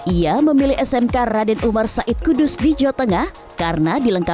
ia memilih smk raden umar said kudus di jawa tengah karena dilengkapi